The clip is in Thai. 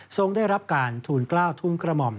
ได้รับการทูลกล้าวทุนกระหม่อม